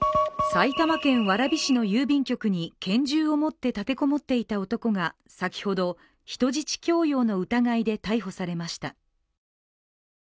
埼玉県蕨市の郵便局に拳銃を持って立てこもっていた男が先ほど、人質強要の疑いで逮捕されました。